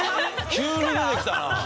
急に出てきたな。